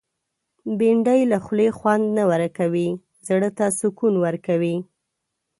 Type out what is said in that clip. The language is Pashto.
بېنډۍ له خولې خوند نه ورکوي، زړه ته سکون ورکوي